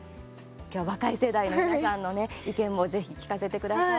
今日若い世代の皆さんのね意見も、ぜひ聞かせてください。